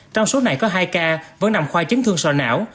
trong số này có hai ca vẫn nằm khoa chấn thương sò não